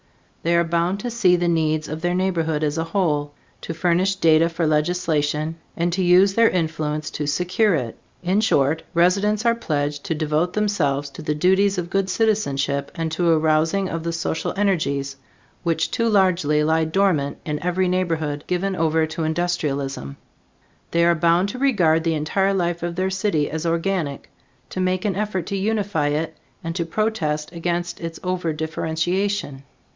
They are bound to see the needs of their neighborhood as a whole, to furnish data for legislation, and to use their influence to secure it. In short, residents are pledged to devote themselves to the duties of good citizenship and to the arousing of the social energies which too largely lie dormant in every neighborhood given over to industrialism. They are bound to regard the entire life of their city as organic, to make an effort to unify it, and to protest against its over differentiation.